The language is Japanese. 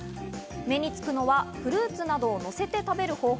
目につくのはフルーツなどをのせて食べる方法。